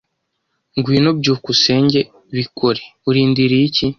Ngwino, byukusenge. Bikore. Urindiriye iki?